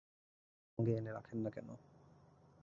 কাউকে সঙ্গে এনে রাখেন না কেন?